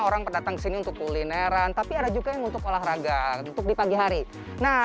orang pendatang kesini untuk kulineran tapi ada juga yang untuk olahraga untuk di pagi hari nah